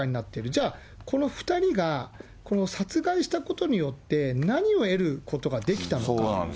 じゃあ、この２人がこの殺害したことによって、何を得ることができたのか。